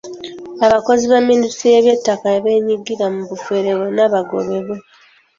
Abakozi ba Ministule y’Eby'ettaka abeenyigira mu bufere bonna bagobebwe.